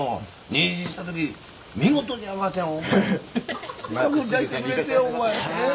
妊娠したとき見事に赤ちゃんを抱いてくれてお前え？